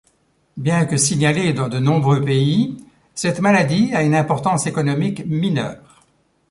Bien que signalée dans de nombreux pays, cette maladie a une importance économique mineure.